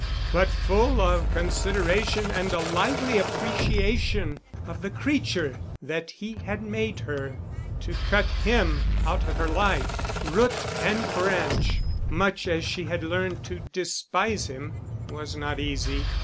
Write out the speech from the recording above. But full of consideration and a lively appreciation of the creature that he had made her. To cut him out of her life—root and branch—much as she had learned to despise him, was not easy.